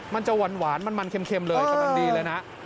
มันจะหวานมันเค็มเลยกำลังดีเลยนะ